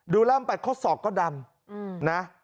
ดูร่ำไปเขาสดก็ดำนะ